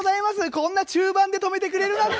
こんな中盤で止めてくれるなんて！」